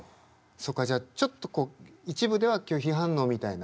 そっかじゃあちょっとこう一部では拒否反応みたいな。